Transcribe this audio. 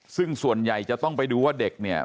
ซึ่งส่วนใหญ่จะต้องไปดูว่าเด็กเนี่ย